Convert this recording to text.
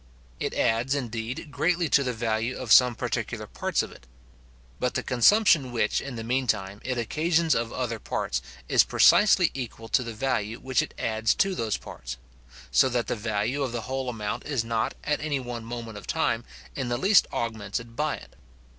It adds, indeed, greatly to the value of some particular parts of it. But the consumption which, in the mean time, it occasions of other parts, is precisely equal to the value which it adds to those parts; so that the value of the whole amount is not, at any one moment of time, in the least augmented by it.